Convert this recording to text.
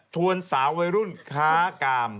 วนสาววัยรุ่นค้ากาม